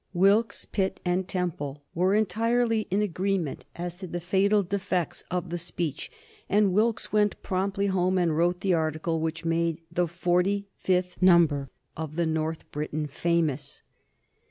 Wilkes, Pitt, and Temple were entirely in agreement as to the fatal defects of the speech, and Wilkes went promptly home and wrote the article which made the forty fifth number of the North Briton famous.